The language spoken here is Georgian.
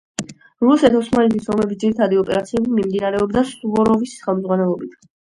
რუსეთ-ოსმალეთის ომების ძირითადი ოპერაციები მიმდინარეობდა სუვოროვის ხელმძღვანელობით.